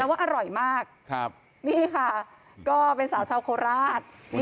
แล้วว่าอร่อยมากครับนี่ค่ะก็เป็นสาวชาวโคราชนี่ร้านเขา